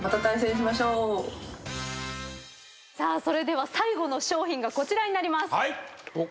それでは最後の商品がこちらになります。